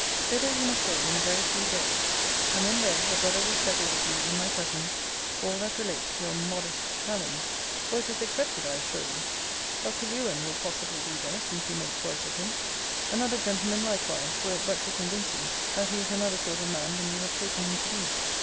Thither you must go in a very few days; and, when there, your brother will settle with you, in my presence, all that relates to your modest challenge; for it is accepted, I assure you. Dr. Lewen will possibly be there, since you make choice of him. Another gentleman likewise, were it but to convince you, that he is another sort of man than you have taken him to be.